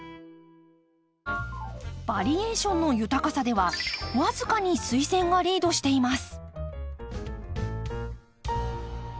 バリエーションの豊かさでは僅かにスイセンがリードしています。